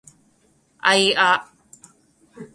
あいあ